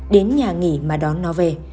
đến nhà nghỉ mà đón nó về